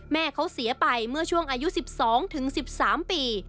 แม่เขาเสียไปเมื่อช่วงอายุ๑๒๑๓ปี